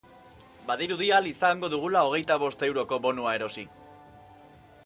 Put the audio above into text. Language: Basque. Badirudi ahal izango dugula hogeita bost euroko bonua erosi.